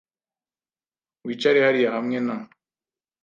Wicare hariya hamwe na .